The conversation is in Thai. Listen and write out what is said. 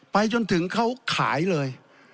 ไปจนถึงเขาขายเลย